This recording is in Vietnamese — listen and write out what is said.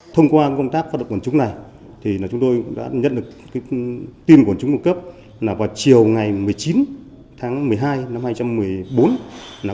thông qua công tác phát động quần chúng này chúng tôi đã nhận được tin quần chúng cung cấp vào chiều một mươi chín tháng một mươi hai năm hai nghìn một mươi bốn